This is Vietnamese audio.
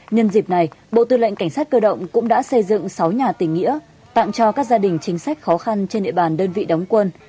nhân dịp này bộ tư lệnh cảnh sát cơ động cũng đã xây dựng sáu nhà tình nghĩa tặng cho các gia đình chính sách khó khăn trên địa bàn đơn vị đóng quân